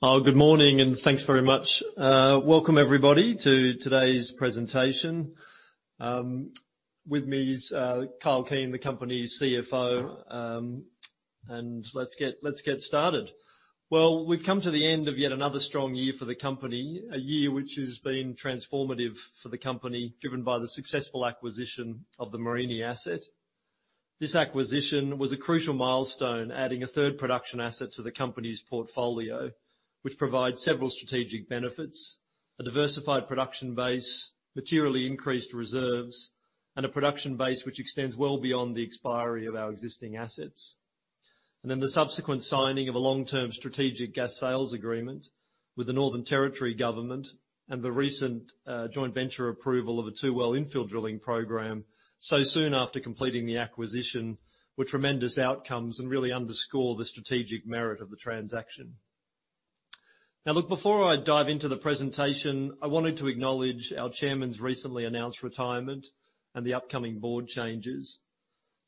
Oh, good morning, and thanks very much. Welcome everybody to today's presentation. With me is Kyle Keen, the company's CFO. And let's get started. We've come to the end of yet another strong year for the company, a year which has been transformative for the company, driven by the successful acquisition of the Mereenie asset. This acquisition was a crucial milestone, adding a third production asset to the company's portfolio, which provides several strategic benefits, a diversified production base, materially increased reserves, and a production base which extends well beyond the expiry of our existing assets. And then the subsequent signing of a long-term strategic gas sales agreement with the Northern Territory Government and the recent, joint venture approval of a two-well infill drilling program so soon after completing the acquisition, were tremendous outcomes and really underscore the strategic merit of the transaction. Now, look, before I dive into the presentation, I wanted to acknowledge our chairman's recently announced retirement and the upcoming board changes.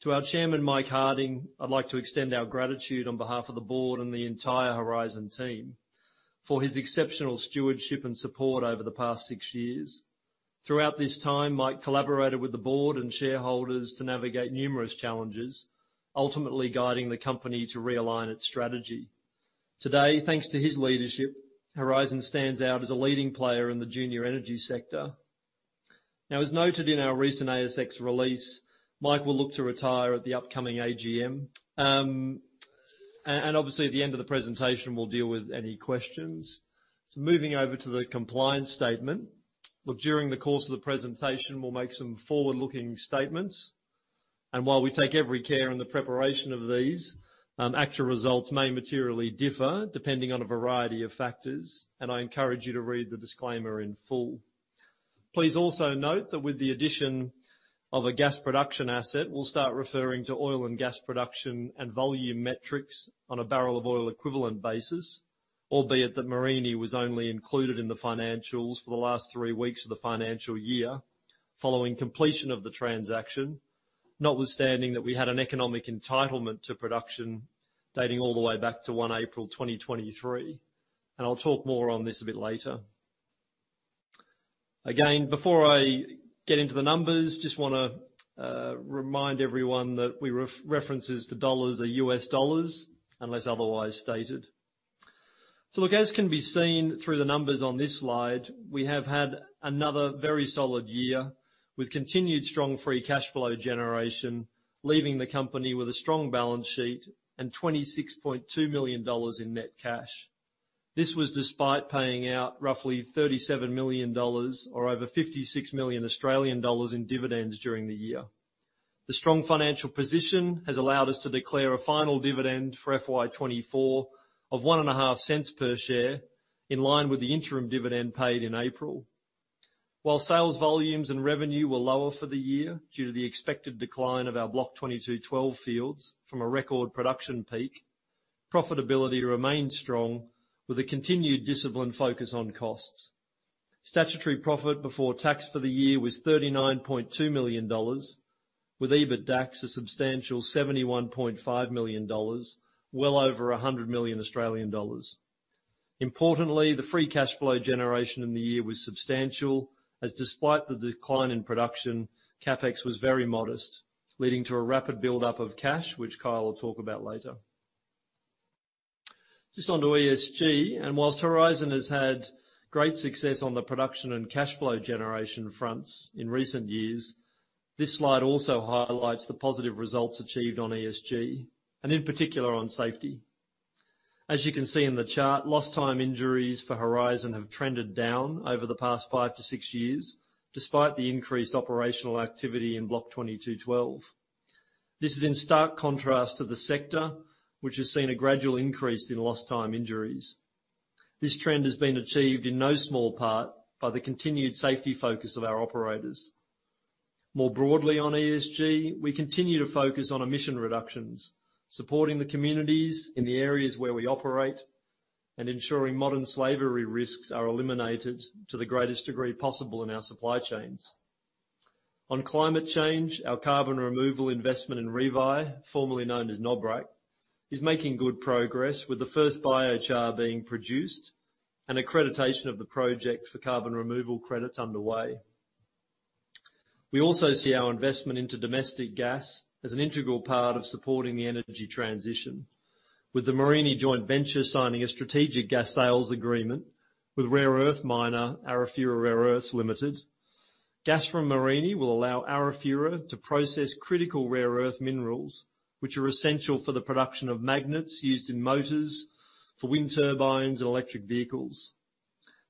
To our chairman, Mike Harding, I'd like to extend our gratitude on behalf of the board and the entire Horizon team for his exceptional stewardship and support over the past six years. Throughout this time, Mike collaborated with the board and shareholders to navigate numerous challenges, ultimately guiding the company to realign its strategy. Today, thanks to his leadership, Horizon stands out as a leading player in the junior energy sector. Now, as noted in our recent ASX release, Mike will look to retire at the upcoming AGM. And obviously, at the end of the presentation, we'll deal with any questions. Moving over to the compliance statement. Look, during the course of the presentation, we'll make some forward-looking statements, and while we take every care in the preparation of these, actual results may materially differ depending on a variety of factors, and I encourage you to read the disclaimer in full. Please also note that with the addition of a gas production asset, we'll start referring to oil and gas production and volume metrics on a barrel of oil equivalent basis, albeit that Mereenie was only included in the financials for the last three weeks of the financial year, following completion of the transaction, notwithstanding that we had an economic entitlement to production dating all the way back to 1 April 2023. I'll talk more on this a bit later. Again, before I get into the numbers, just wanna remind everyone that references to dollars are U.S. dollars, unless otherwise stated. So look, as can be seen through the numbers on this slide, we have had another very solid year, with continued strong free cash flow generation, leaving the company with a strong balance sheet and $26.2 million in net cash. This was despite paying out roughly $37 million or over 56 million Australian dollars in dividends during the year. The strong financial position has allowed us to declare a final dividend for FY 2024 of 1.5 cents per share, in line with the interim dividend paid in April. While sales volumes and revenue were lower for the year due to the expected decline of our Block 22/12 fields from a record production peak, profitability remained strong with a continued disciplined focus on costs. Statutory profit before tax for the year was $39.2 million, with EBITDA a substantial $71.5 million, well over 100 million Australian dollars. Importantly, the free cash flow generation in the year was substantial, as despite the decline in production, CapEx was very modest, leading to a rapid buildup of cash, which Kyle will talk about later. Just onto ESG, and while Horizon has had great success on the production and cash flow generation fronts in recent years, this slide also highlights the positive results achieved on ESG, and in particular on safety. As you can see in the chart, lost time injuries for Horizon have trended down over the past five to six years, despite the increased operational activity in Block 22/12. This is in stark contrast to the sector, which has seen a gradual increase in lost time injuries. This trend has been achieved in no small part by the continued safety focus of our operators. More broadly on ESG, we continue to focus on emission reductions, supporting the communities in the areas where we operate, and ensuring modern slavery risks are eliminated to the greatest degree possible in our supply chains. On climate change, our carbon removal investment in Revy, formerly known as Nobrac, is making good progress with the first biochar being produced and accreditation of the project for carbon removal credits underway. We also see our investment into domestic gas as an integral part of supporting the energy transition, with the Mereenie Joint Venture signing a strategic gas sales agreement with rare earth miner, Arafura Rare Earths Limited. Gas from Mereenie will allow Arafura to process critical rare earth minerals, which are essential for the production of magnets used in motors for wind turbines and electric vehicles.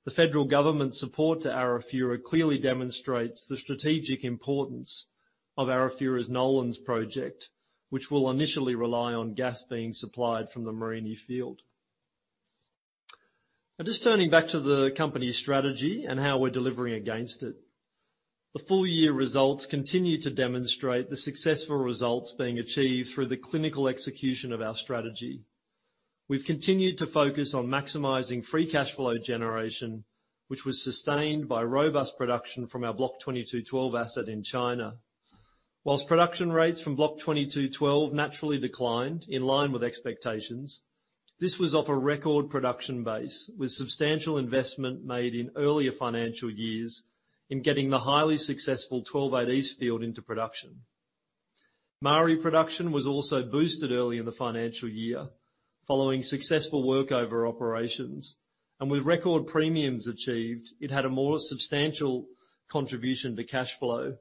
The federal government's support to Arafura clearly demonstrates the strategic importance of Arafura's Nolans Project, which will initially rely on gas being supplied from the Mereenie field. And just turning back to the company's strategy and how we're delivering against it. The full-year results continue to demonstrate the successful results being achieved through the clinical execution of our strategy. We've continued to focus on maximizing free cash flow generation, which was sustained by robust production from our Block 22/12 asset in China. While production rates from Block 22/12 naturally declined in line with expectations, this was off a record production base, with substantial investment made in earlier financial years in getting the highly successful 12-8 East field into production. Maari production was also boosted early in the financial year, following successful workover operations, and with record premiums achieved, it had a more substantial contribution to cash flow,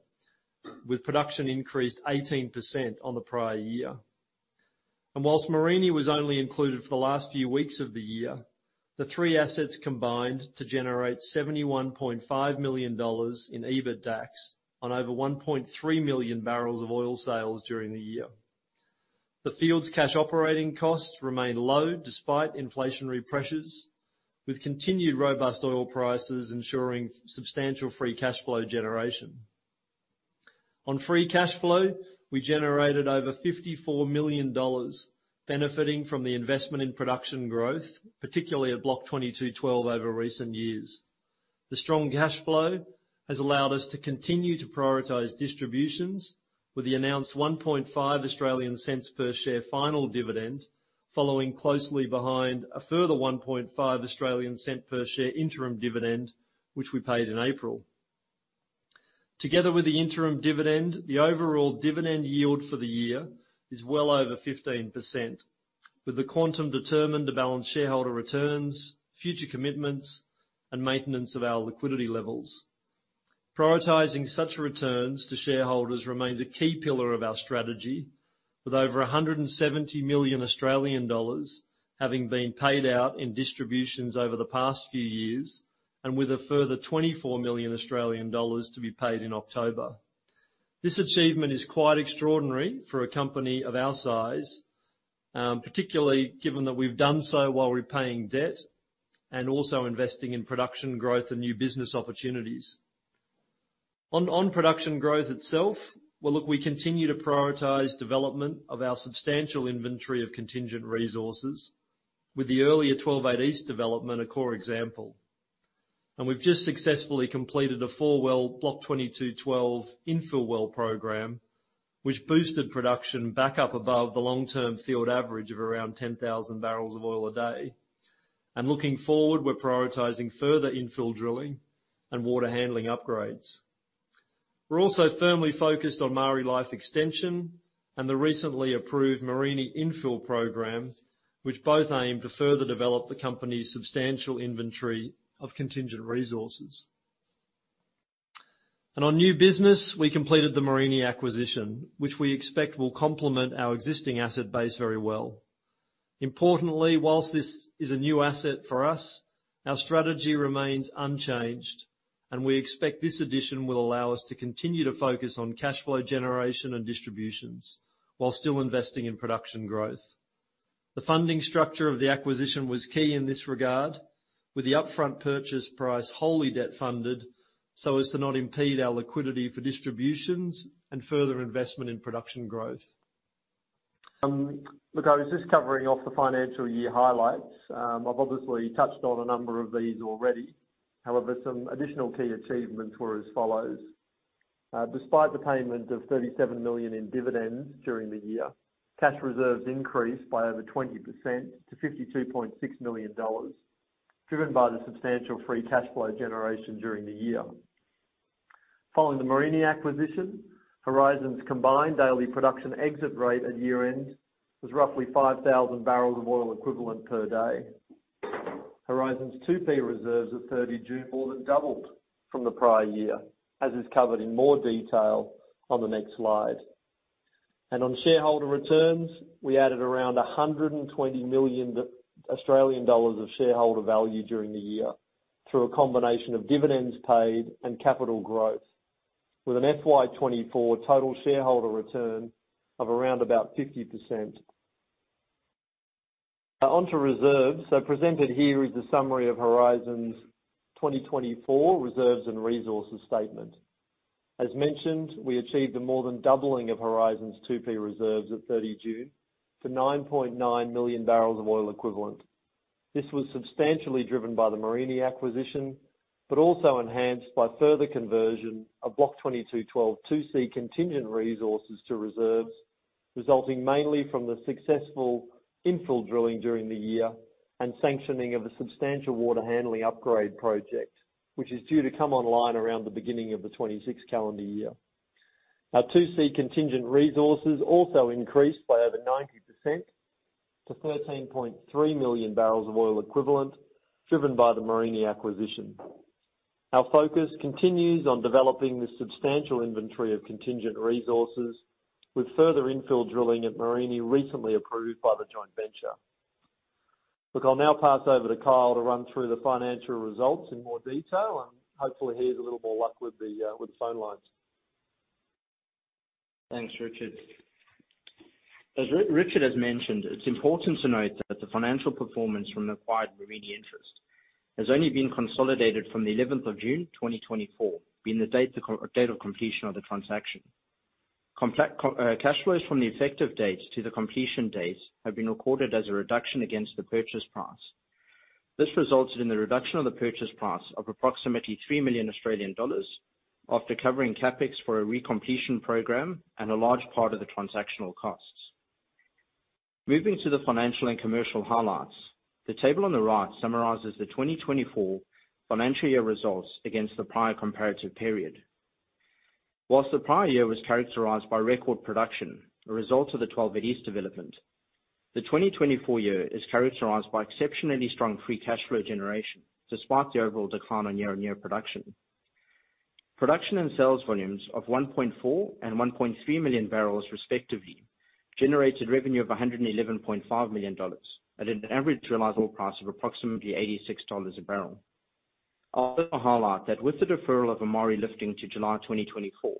with production increased 18% on the prior year. While Mereenie was only included for the last few weeks of the year, the three assets combined to generate $71.5 million in EBITDAX on over 1.3 million barrels of oil sales during the year. The field's cash operating costs remained low despite inflationary pressures, with continued robust oil prices ensuring substantial free cash flow generation. On free cash flow, we generated over $54 million, benefiting from the investment in production growth, particularly at Block 22/12 over recent years. The strong cash flow has allowed us to continue to prioritize distributions with the announced 0.015 per share final dividend, following closely behind a further 0.015 per share interim dividend, which we paid in April. Together with the interim dividend, the overall dividend yield for the year is well over 15%, with the quantum determined to balance shareholder returns, future commitments, and maintenance of our liquidity levels. Prioritizing such returns to shareholders remains a key pillar of our strategy, with over 170 million Australian dollars having been paid out in distributions over the past few years, and with a further 24 million Australian dollars to be paid in October. This achievement is quite extraordinary for a company of our size, particularly given that we've done so while repaying debt and also investing in production growth and new business opportunities. On production growth itself, well, look, we continue to prioritize development of our substantial inventory of contingent resources with the earlier 12-8 East development, a core example. We’ve just successfully completed a four-well Block 22/12 infill well program, which boosted production back up above the long-term field average of around 10,000 barrels of oil a day. Looking forward, we’re prioritizing further infill drilling and water handling upgrades. We’re also firmly focused on Maari life extension and the recently approved Mereenie infill program, which both aim to further develop the company’s substantial inventory of contingent resources. On new business, we completed the Mereenie acquisition, which we expect will complement our existing asset base very well. Importantly, while this is a new asset for us, our strategy remains unchanged, and we expect this addition will allow us to continue to focus on cash flow generation and distributions while still investing in production growth. The funding structure of the acquisition was key in this regard, with the upfront purchase price wholly debt-funded, so as to not impede our liquidity for distributions and further investment in production growth. Look, I was just covering off the financial year highlights. I've obviously touched on a number of these already. However, some additional key achievements were as follows: Despite the payment of $37 million in dividends during the year, cash reserves increased by over 20% to $52.6 million, driven by the substantial free cash flow generation during the year. Following the Mereenie acquisition, Horizon's combined daily production exit rate at year-end was roughly 5,000 barrels of oil equivalent per day. Horizon's 2P reserves at 30 June more than doubled from the prior year, as is covered in more detail on the next slide. On shareholder returns, we added around 120 million Australian dollars of shareholder value during the year through a combination of dividends paid and capital growth, with an FY 2024 total shareholder return of around about 50%. Now onto reserves. Presented here is the summary of Horizon's 2024 reserves and resources statement. As mentioned, we achieved a more than doubling of Horizon's 2P reserves at 30 June to 9.9 million barrels of oil equivalent. This was substantially driven by the Mereenie acquisition, but also enhanced by further conversion of Block 22/12 2C contingent resources to reserves, resulting mainly from the successful infill drilling during the year and sanctioning of a substantial water handling upgrade project, which is due to come online around the beginning of the 2026 calendar year. Our 2C contingent resources also increased by over 90% to 13.3 million barrels of oil equivalent, driven by the Mereenie acquisition. Our focus continues on developing this substantial inventory of contingent resources with further infill drilling at Mereenie, recently approved by the joint venture. Look, I'll now pass over to Kyle to run through the financial results in more detail, and hopefully, he has a little more luck with the phone lines. Thanks, Richard. As Richard has mentioned, it's important to note that the financial performance from the acquired Mereenie interest has only been consolidated from the eleventh of June 2024, being the date of completion of the transaction. Cash flows from the effective dates to the completion dates have been recorded as a reduction against the purchase price.... This resulted in the reduction of the purchase price of approximately 3 million Australian dollars, after covering CapEx for a recompletion program and a large part of the transactional costs. Moving to the financial and commercial highlights, the table on the right summarizes the 2024 financial year results against the prior comparative period. While the prior year was characterized by record production, a result of the 12-8 East development, the 2024 year is characterized by exceptionally strong free cash flow generation, despite the overall decline on year-on-year production. Production and sales volumes of 1.4 and 1.3 million barrels, respectively, generated revenue of $111.5 million at an average realizable price of approximately $86 a barrel. I'll also highlight that with the deferral of a Maari lifting to July 2024,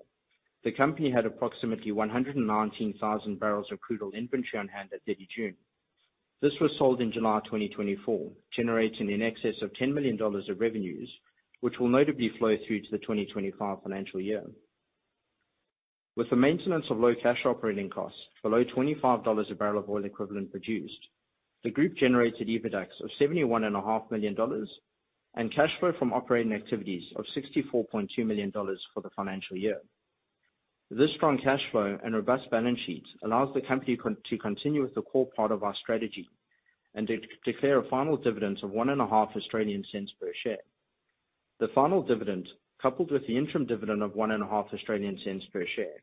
the company had approximately 119,000 barrels of crude oil inventory on hand at 30 June. This was sold in July 2024, generating in excess of $10 million of revenues, which will notably flow through to the 2025 financial year. With the maintenance of low cash operating costs below $25 a barrel of oil equivalent produced, the group generated EBITDAX of $71.5 million, and cash flow from operating activities of $64.2 million for the financial year. This strong cash flow and robust balance sheet allows the company to continue with the core part of our strategy, and declare a final dividend of 0.015 per share. The final dividend, coupled with the interim dividend of 0.015 per share,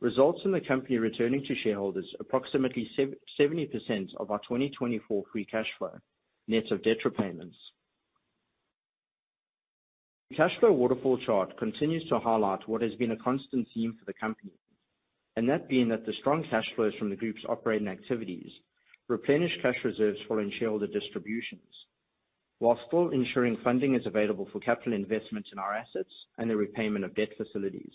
results in the company returning to shareholders approximately 70% of our 2024 free cash flow, net of debt repayments. The cash flow waterfall chart continues to highlight what has been a constant theme for the company, and that being that the strong cash flows from the group's operating activities replenish cash reserves for shareholder distributions, while still ensuring funding is available for capital investments in our assets and the repayment of debt facilities.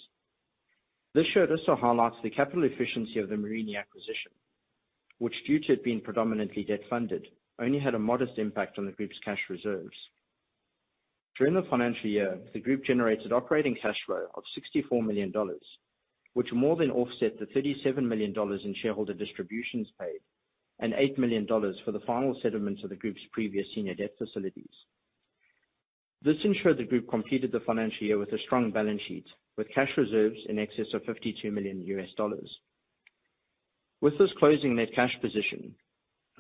This year also highlights the capital efficiency of the Mereenie acquisition, which, due to it being predominantly debt-funded, only had a modest impact on the group's cash reserves. During the financial year, the group generated operating cash flow of $64 million, which more than offset the $37 million in shareholder distributions paid, and $8 million for the final settlement of the group's previous senior debt facilities. This ensured the group completed the financial year with a strong balance sheet, with cash reserves in excess of $52 million. With this closing net cash position,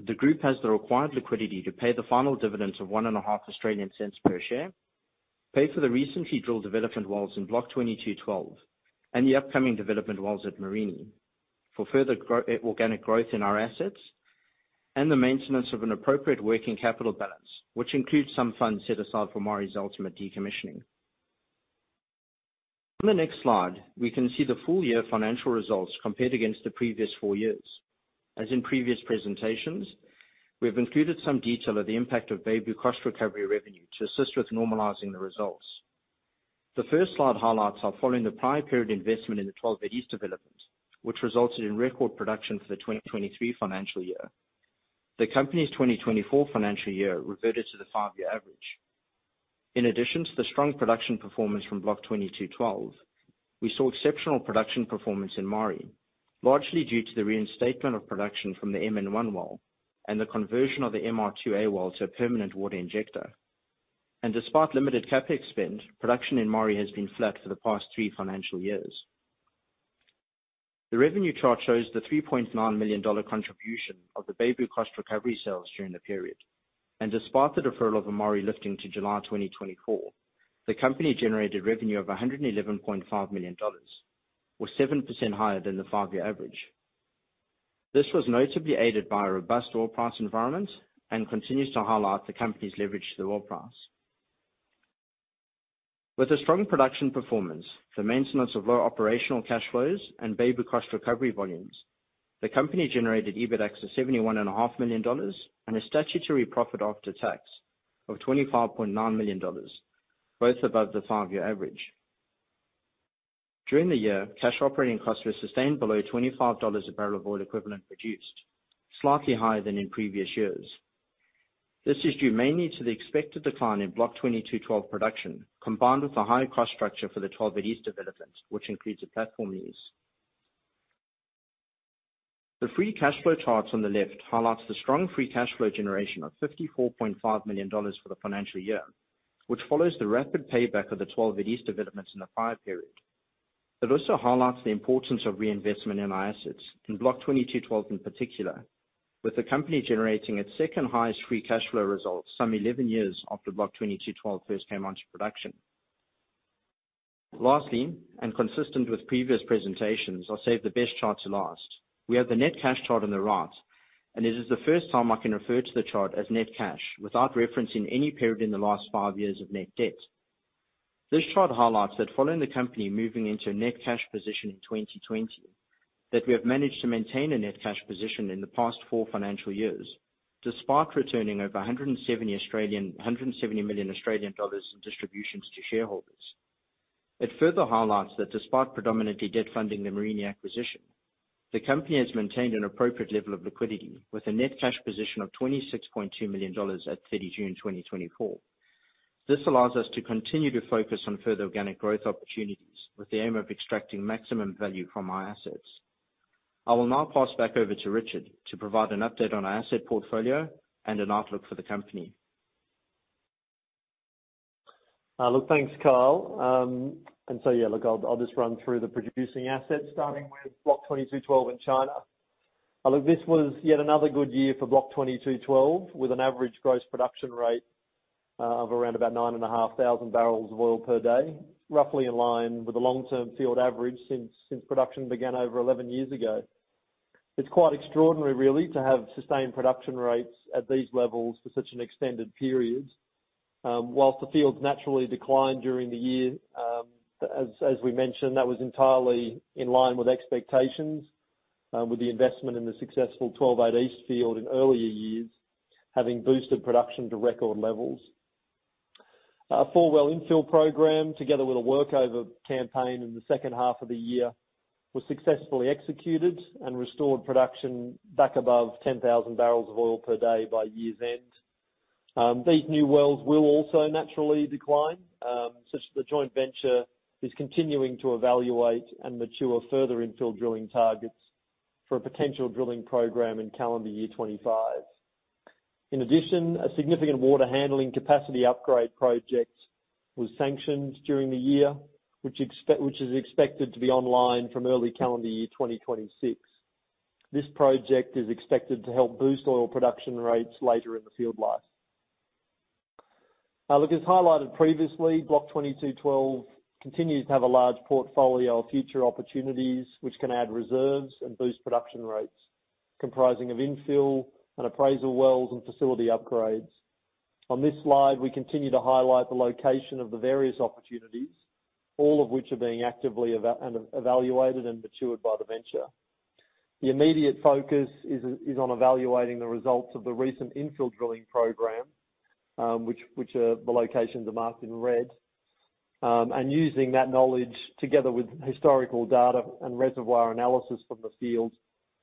the group has the required liquidity to pay the final dividends of 0.015 per share, pay for the recently drilled development wells in Block 22/12, and the upcoming development wells at Mereenie for further organic growth in our assets, and the maintenance of an appropriate working capital balance, which includes some funds set aside for Maari's ultimate decommissioning. On the next slide, we can see the full year financial results compared against the previous four years. As in previous presentations, we have included some detail of the impact of Beibu cost recovery revenue to assist with normalizing the results. The first slide highlights are following the prior period investment in the 12-8 East development, which resulted in record production for the 2023 financial year. The company's 2024 financial year reverted to the five-year average. In addition to the strong production performance from Block 22/12, we saw exceptional production performance in Maari, largely due to the reinstatement of production from the MN-1 well and the conversion of the MR-2A well to a permanent water injector. And despite limited CapEx spend, production in Maari has been flat for the past three financial years. The revenue chart shows the $3.9 million contribution of the Beibu cost recovery sales during the period, and despite the deferral of Maari lifting to July 2024, the company generated revenue of $111.5 million, or 7% higher than the five-year average. This was notably aided by a robust oil price environment and continues to highlight the company's leverage to the oil price. With a strong production performance, the maintenance of low operational cash flows, and Beibu cost recovery volumes, the company generated EBITDAX of $71.5 million, and a statutory profit after tax of $25.9 million, both above the five-year average. During the year, cash operating costs were sustained below $25 a barrel of oil equivalent produced, slightly higher than in previous years. This is due mainly to the expected decline in Block 22/12 production, combined with a higher cost structure for the 12-8 East development, which includes the platform use. The free cash flow charts on the left highlights the strong free cash flow generation of $54.5 million for the financial year, which follows the rapid payback of the 12-8 East developments in the five-month period. It also highlights the importance of reinvestment in our assets, in Block 22/12 in particular, with the company generating its second highest free cash flow results some 11 years after Block 22/12 first came onto production. Lastly, and consistent with previous presentations, I'll save the best chart to last. We have the net cash chart on the right, and this is the first time I can refer to the chart as net cash, without referencing any period in the last five years of net debt. This chart highlights that following the company moving into a net cash position in 2020, that we have managed to maintain a net cash position in the past four financial years, despite returning over 170 million Australian dollars in distributions to shareholders. It further highlights that despite predominantly debt funding the Mereenie acquisition, the company has maintained an appropriate level of liquidity with a net cash position of $26.2 million at 30 June 2024. This allows us to continue to focus on further organic growth opportunities, with the aim of extracting maximum value from our assets. I will now pass back over to Richard to provide an update on our asset portfolio and an outlook for the company. Look, thanks, Kyle. And so yeah, look, I'll just run through the producing assets, starting with Block 22/12 in China. Look, this was yet another good year for Block 22/12, with an average gross production rate of around about 9,500 barrels of oil per day, roughly in line with the long-term field average since production began over 11 years ago. It's quite extraordinary, really, to have sustained production rates at these levels for such an extended period. Whilst the field naturally declined during the year, as we mentioned, that was entirely in line with expectations, with the investment in the successful 12-8 East field in earlier years, having boosted production to record levels. Our four-well infill program, together with a workover campaign in the second half of the year, was successfully executed and restored production back above 10,000 barrels of oil per day by year's end. These new wells will also naturally decline, such that the joint venture is continuing to evaluate and mature further infill drilling targets for a potential drilling program in calendar year 2025. In addition, a significant water handling capacity upgrade project was sanctioned during the year, which is expected to be online from early calendar year 2026. This project is expected to help boost oil production rates later in the field life. Now, look, as highlighted previously, Block 22/12 continues to have a large portfolio of future opportunities, which can add reserves and boost production rates, comprising of infill and appraisal wells and facility upgrades. On this slide, we continue to highlight the location of the various opportunities, all of which are being actively evaluated and matured by the venture. The immediate focus is on evaluating the results of the recent infill drilling program, which the locations are marked in red. And using that knowledge together with historical data and reservoir analysis from the fields,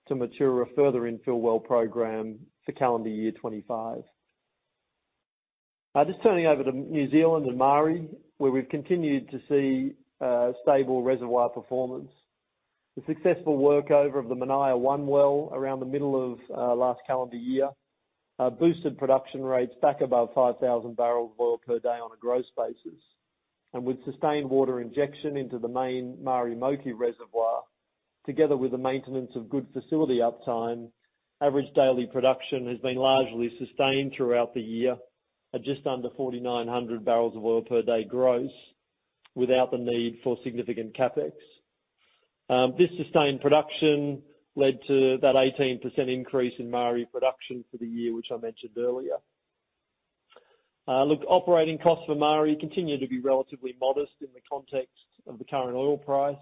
to mature a further infill well program for calendar year 2025. Just turning over to New Zealand and Maari, where we've continued to see stable reservoir performance. The successful workover of the Manaia-1 well around the middle of last calendar year boosted production rates back above 5,000 barrels of oil per day on a gross basis. With sustained water injection into the main Maari Moki reservoir, together with the maintenance of good facility uptime, average daily production has been largely sustained throughout the year at just under 4,900 barrels of oil per day gross, without the need for significant CapEx. This sustained production led to that 18% increase in Maari production for the year, which I mentioned earlier. Look, operating costs for Maari continue to be relatively modest in the context of the current oil price,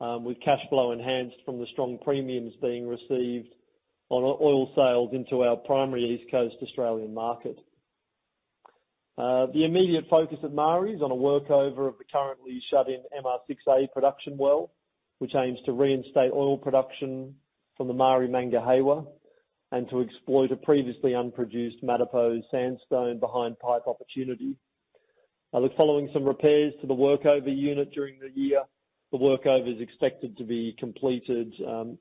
with cash flow enhanced from the strong premiums being received on oil sales into our primary East Coast Australian market. The immediate focus of Maari is on a workover of the currently shut-in MR6A production well, which aims to reinstate oil production from the Maari Mangahewa, and to exploit a previously unproduced Matipo Sandstone behind pipe opportunity. Look, following some repairs to the workover unit during the year, the workover is expected to be completed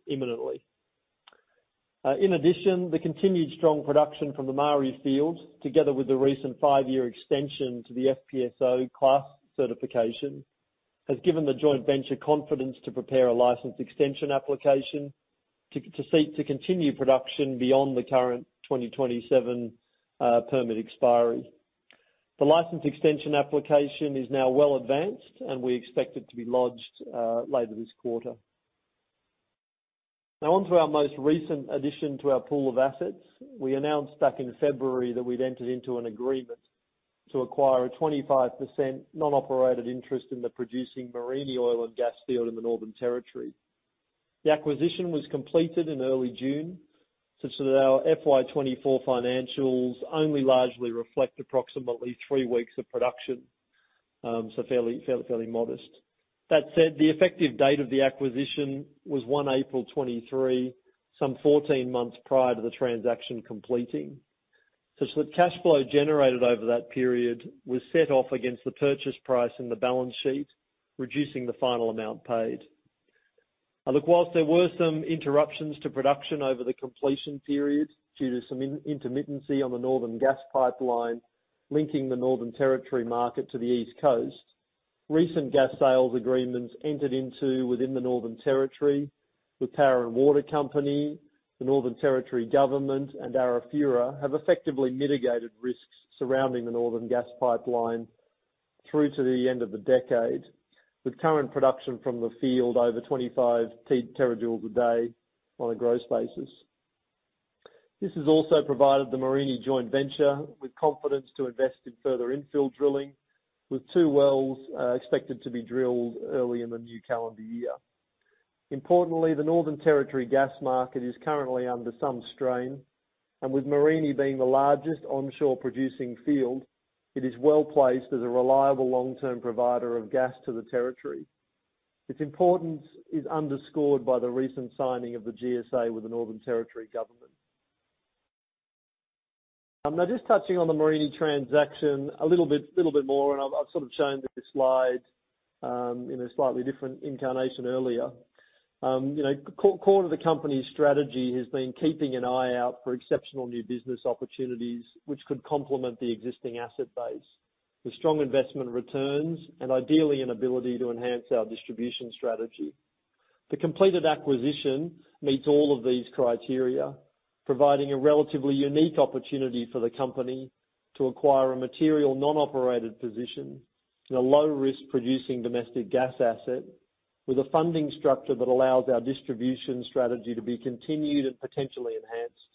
imminently. In addition, the continued strong production from the Maari field, together with the recent five-year extension to the FPSO class certification, has given the joint venture confidence to prepare a license extension application to seek to continue production beyond the current 2027 permit expiry. The license extension application is now well advanced, and we expect it to be lodged later this quarter. Now on to our most recent addition to our pool of assets. We announced back in February that we'd entered into an agreement to acquire a 25% non-operated interest in the producing Mereenie oil and gas field in the Northern Territory. The acquisition was completed in early June, such that our FY 2024 financials only largely reflect approximately three weeks of production, so fairly modest. That said, the effective date of the acquisition was 1 April 2023, some fourteen months prior to the transaction completing, such that cash flow generated over that period was set off against the purchase price in the balance sheet, reducing the final amount paid. Look, while there were some interruptions to production over the completion period due to some intermittency on the Northern Gas Pipeline, linking the Northern Territory market to the East Coast, recent gas sales agreements entered into within the Northern Territory with Power and Water Corporation, the Northern Territory Government, and Arafura, have effectively mitigated risks surrounding the Northern Gas Pipeline through to the end of the decade, with current production from the field over 25 terajoules a day on a gross basis. This has also provided the Mereenie joint venture with confidence to invest in further infill drilling, with two wells expected to be drilled early in the new calendar year. Importantly, the Northern Territory gas market is currently under some strain, and with Mereenie being the largest onshore producing field, it is well placed as a reliable long-term provider of gas to the territory. Its importance is underscored by the recent signing of the GSA with the Northern Territory Government. Now just touching on the Mereenie transaction a little bit more, and I've sort of shown this slide in a slightly different incarnation earlier. You know, core to the company's strategy has been keeping an eye out for exceptional new business opportunities, which could complement the existing asset base, with strong investment returns and ideally an ability to enhance our distribution strategy. The completed acquisition meets all of these criteria, providing a relatively unique opportunity for the company to acquire a material non-operated position in a low-risk producing domestic gas asset, with a funding structure that allows our distribution strategy to be continued and potentially enhanced.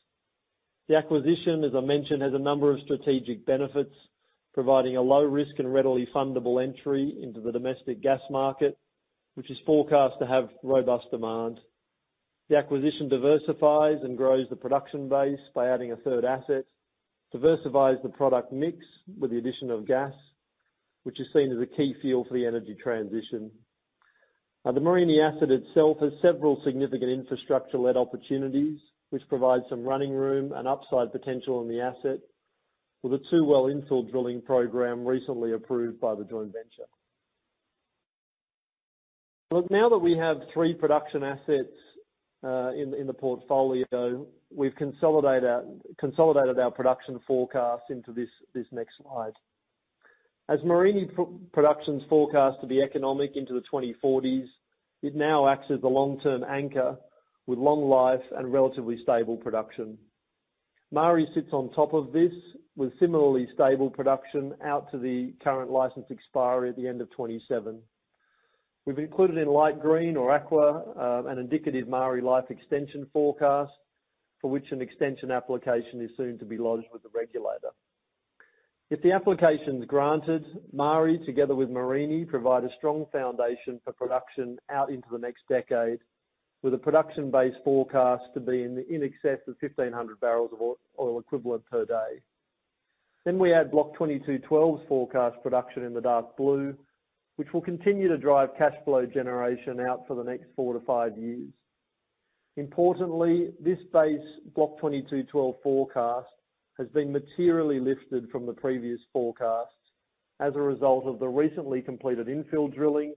The acquisition, as I mentioned, has a number of strategic benefits, providing a low risk and readily fundable entry into the domestic gas market, which is forecast to have robust demand. The acquisition diversifies and grows the production base by adding a third asset, diversifies the product mix with the addition of gas, which is seen as a key fuel for the energy transition. Now, the Mereenie asset itself has several significant infrastructure-led opportunities, which provide some running room and upside potential in the asset, with a two-well infill drilling program recently approved by the joint venture. Look, now that we have three production assets in the portfolio, we've consolidated our production forecast into this next slide. As Mereenie production is forecast to be economic into the 2040s, it now acts as the long-term anchor, with long life and relatively stable production. Maari sits on top of this, with similarly stable production out to the current license expiry at the end of 2027. We've included in light green or aqua, an indicative Maari life extension forecast, for which an extension application is soon to be lodged with the regulator. If the application's granted, Maari, together with Mereenie, provide a strong foundation for production out into the next decade, with a production-based forecast to be in excess of 1,500 barrels of oil equivalent per day. Then we add Block 22/12's forecast production in the dark blue, which will continue to drive cashflow generation out for the next four to five years. Importantly, this base, Block 22/12 forecast, has been materially lifted from the previous forecasts as a result of the recently completed infill drilling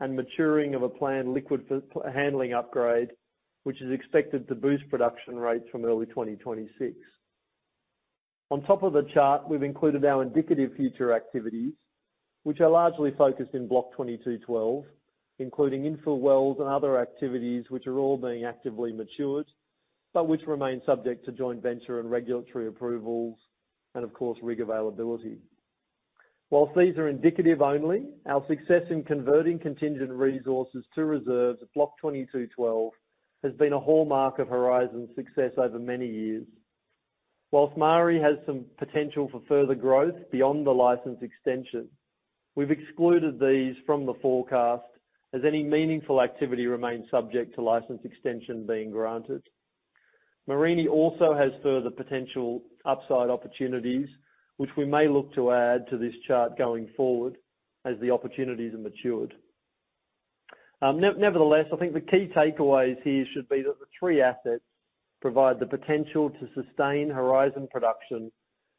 and maturing of a planned liquid handling upgrade, which is expected to boost production rates from early 2026. On top of the chart, we've included our indicative future activities, which are largely focused in Block 22/12, including infill wells and other activities, which are all being actively matured, but which remain subject to joint venture and regulatory approvals, and of course, rig availability. While these are indicative only, our success in converting contingent resources to reserves at Block 22/12 has been a hallmark of Horizon's success over many years. While Maari has some potential for further growth beyond the license extension, we've excluded these from the forecast, as any meaningful activity remains subject to license extension being granted. Mereenie also has further potential upside opportunities, which we may look to add to this chart going forward as the opportunities are matured. Nevertheless, I think the key takeaways here should be that the three assets provide the potential to sustain Horizon production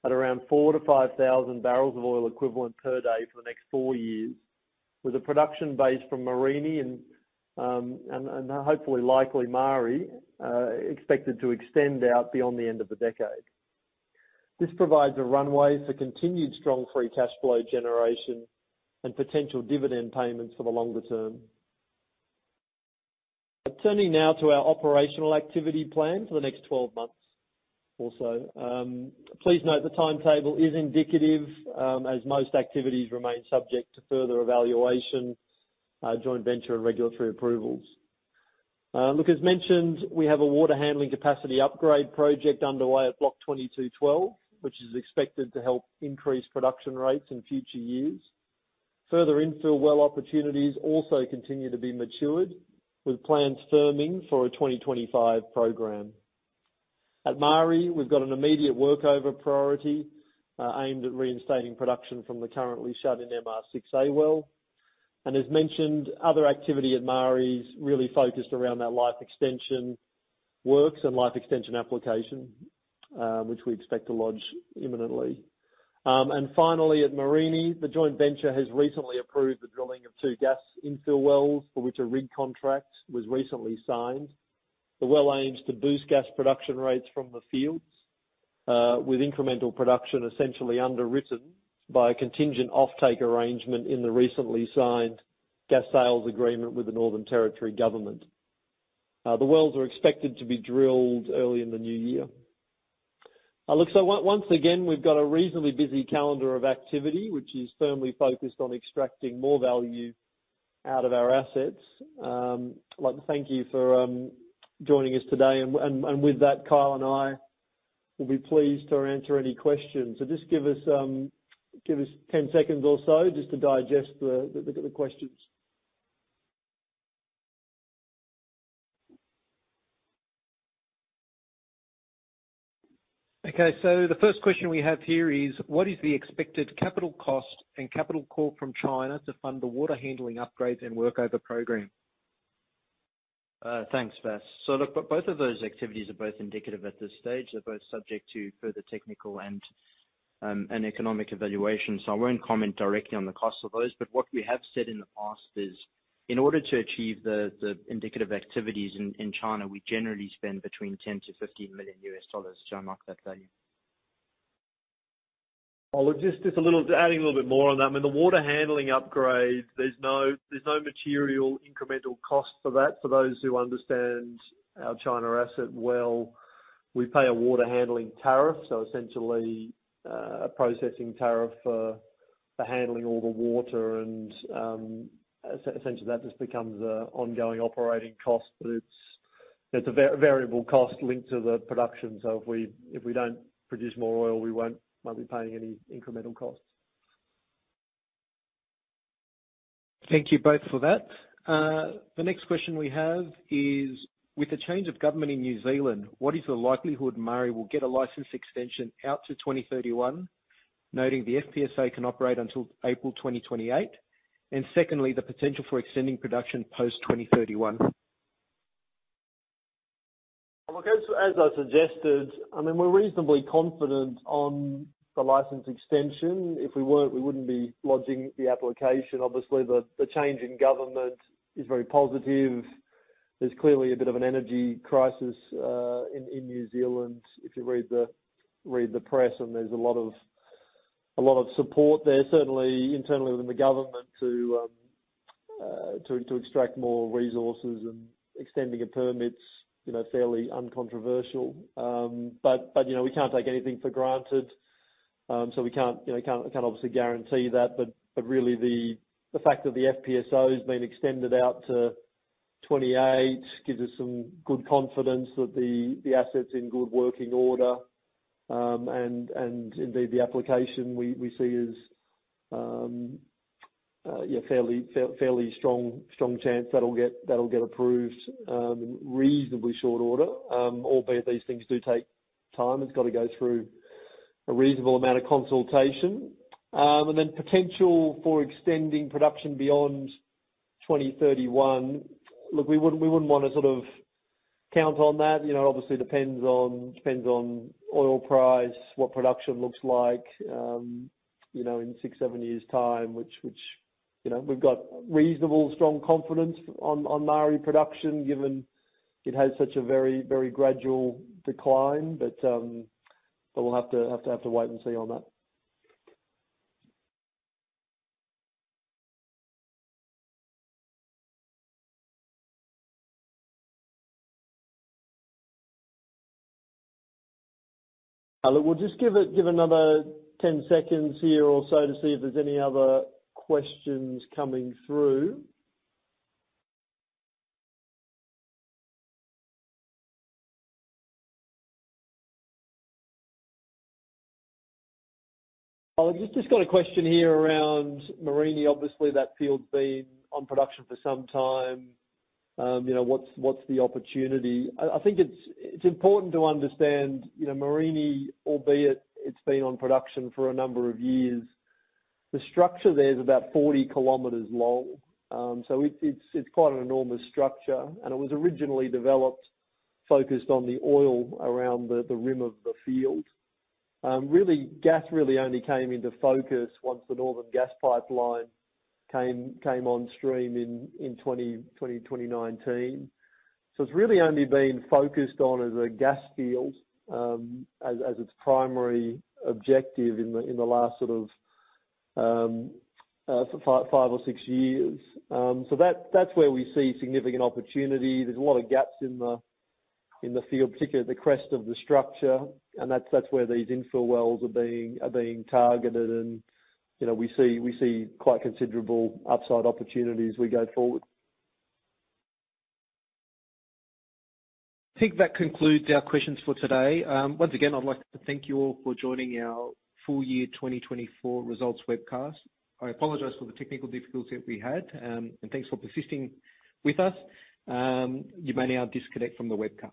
at around four to five thousand barrels of oil equivalent per day for the next four years, with a production base from Mereenie and, and hopefully, likely Maari, expected to extend out beyond the end of the decade. This provides a runway for continued strong free cashflow generation and potential dividend payments for the longer term. Turning now to our operational activity plan for the next 12 months or so. Please note the timetable is indicative, as most activities remain subject to further evaluation, joint venture and regulatory approvals. Look, as mentioned, we have a water handling capacity upgrade project underway at Block 22/12, which is expected to help increase production rates in future years. Further infill well opportunities also continue to be matured, with plans firming for a 2025 program. At Maari, we've got an immediate workover priority, aimed at reinstating production from the currently shut-in MR6A well, and as mentioned, other activity at Maari is really focused around our life extension works and life extension application, which we expect to lodge imminently, and finally, at Mereenie, the joint venture has recently approved the drilling of two gas infill wells, for which a rig contract was recently signed. The well aims to boost gas production rates from the fields, with incremental production essentially underwritten by a contingent offtake arrangement in the recently signed gas sales agreement with the Northern Territory Government. The wells are expected to be drilled early in the new year. Look, so once again, we've got a reasonably busy calendar of activity, which is firmly focused on extracting more value out of our assets. I'd like to thank you for joining us today, and with that, Kyle and I will be pleased to answer any questions. So just give us ten seconds or so just to digest the questions. Okay, so the first question we have here is: What is the expected capital cost and capital call from China to fund the water handling upgrades and workover program? ... Thanks, Vas. So look, both of those activities are both indicative at this stage. They're both subject to further technical and economic evaluation, so I won't comment directly on the costs of those. But what we have said in the past is, in order to achieve the indicative activities in China, we generally spend between $10 million and $15 million to mark that value. Just a little adding a little bit more on that. I mean, the water handling upgrade, there is no material incremental cost for that. For those who understand our China asset well, we pay a water handling tariff, so essentially a processing tariff for handling all the water and essentially that just becomes an ongoing operating cost. But it is a variable cost linked to the production, so if we do not produce more oil, we will not be paying any incremental costs. Thank you both for that. The next question we have is: With the change of government in New Zealand, what is the likelihood Maari will get a license extension out to twenty thirty-one, noting the FPSO can operate until April twenty twenty-eight? And secondly, the potential for extending production post twenty thirty-one. Look, as I suggested, I mean, we're reasonably confident on the license extension. If we weren't, we wouldn't be lodging the application. Obviously, the change in government is very positive. There's clearly a bit of an energy crisis in New Zealand, if you read the press, and there's a lot of support there, certainly internally within the government to extract more resources and extending a permit's, you know, fairly uncontroversial. But, you know, we can't take anything for granted. So we can't, you know, obviously guarantee that, but really the fact that the FPSO has been extended out to 2028 gives us some good confidence that the asset's in good working order. And indeed, the application we see is yeah, fairly strong chance that'll get approved in reasonably short order. Albeit, these things do take time. It's got to go through a reasonable amount of consultation. And then potential for extending production beyond 2031, look, we wouldn't want to sort of count on that. You know, obviously it depends on oil price, what production looks like, you know, in six, seven years' time, which you know, we've got reasonable strong confidence on, on Maari production, given it has such a very gradual decline. But we'll have to wait and see on that. Look, we'll just give another 10 seconds here or so to see if there's any other questions coming through. Oh, just got a question here around Mereenie. Obviously, that field's been on production for some time. You know, what's the opportunity? I think it's important to understand, you know, Mereenie, albeit it's been on production for a number of years, the structure there is about forty kilometers long. So it's quite an enormous structure, and it was originally developed, focused on the oil around the rim of the field. Really, gas really only came into focus once the Northern Gas Pipeline came on stream in twenty nineteen. So it's really only been focused on as a gas field, as its primary objective in the last sort of five or six years. So that's where we see significant opportunity. There's a lot of gaps in the field, particularly at the crest of the structure, and that's where these infill wells are being targeted. You know, we see quite considerable upside opportunity as we go forward. I think that concludes our questions for today. Once again, I'd like to thank you all for joining our full year 2024 results webcast. I apologize for the technical difficulty that we had, and thanks for persisting with us. You may now disconnect from the webcast.